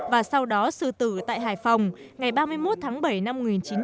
và sau đó sư tử tại hải phòng ngày ba mươi một tháng bảy năm một nghìn chín trăm bảy mươi